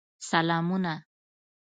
سلامونه !